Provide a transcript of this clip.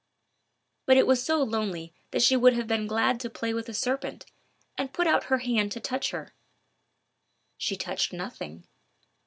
But it was so lonely that she would have been glad to play with a serpent, and put out her hand to touch her. She touched nothing.